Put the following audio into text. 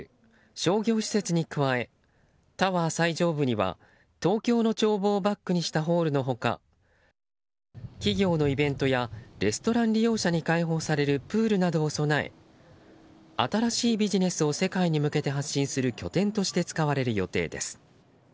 商業施設に加えタワー最上部には東京の眺望をバックにしたホールの他企業のイベントやレストラン利用者に開放されるプールなどを備え新しいビジネスを世界向けて発信する拠点として使われる予定です。